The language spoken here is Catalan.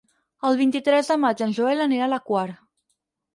El vint-i-tres de maig en Joel anirà a la Quar.